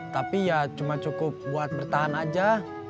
tapi ya cuma cukup buat bertahan aja